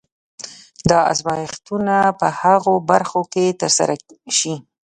دا ازمایښتونه په هغو برخو کې ترسره شي.